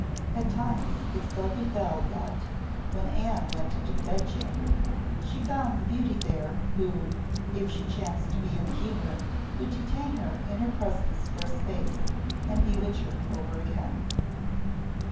At times it so befell that, when Anne went into the bed chamber, she found the beauty there, who, if she chanced to be in the humour, would detain her in her presence for a space and bewitch her over again.